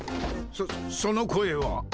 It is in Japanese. そっその声は。